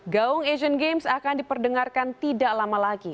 gaung asian games akan diperdengarkan tidak lama lagi